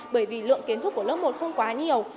bởi vì lượng kiến thức của lớp một không quá nhiều